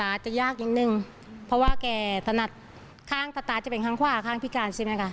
อาจจะยากนิดนึงเพราะว่าแกถนัดข้างสตาร์ทจะเป็นข้างขวาข้างพิการใช่ไหมคะ